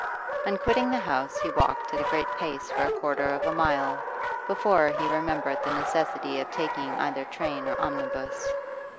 On quitting the house he walked at a great pace for a quarter of a mile before he remembered the necessity of taking either train or omnibus.